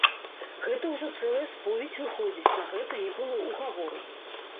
Гэта ўжо цэлая споведзь выходзіць, на гэта не было ўгавору.